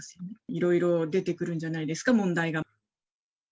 いろいろ出てくるんじゃないですか、問題が。